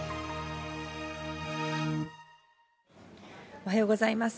おはようございます。